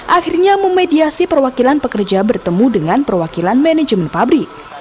akhirnya memediasi perwakilan pekerja bertemu dengan perwakilan manajemen pabrik